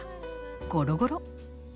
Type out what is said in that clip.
ゴロゴロ。